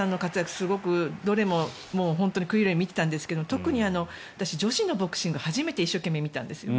すごくどれも食い入るように見ていたんですが特に私、女子のボクシング初めて一生懸命見たんですよ。